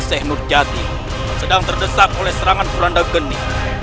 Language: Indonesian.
seh nur jati sedang terdesak oleh serangan kuranda geng